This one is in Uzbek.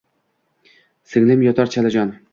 — Singlim yotar chalajon.